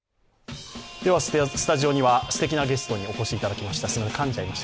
スタジオにはすてきなゲストにお越しいただきました。